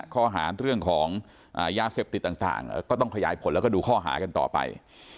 ข้อหารเรื่องของยาเสพติดต่างก็ต้องขยายผลแล้วก็ดูข้อหากันต่อไป